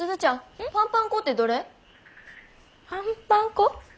えっパンパン粉。